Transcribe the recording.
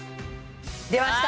出ました。